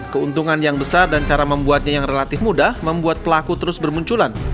keuntungan yang besar dan cara membuatnya yang relatif mudah membuat pelaku terus bermunculan